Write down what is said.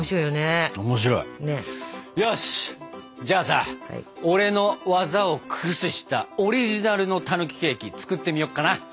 じゃあさ俺の技を駆使したオリジナルのたぬきケーキ作ってみようかな。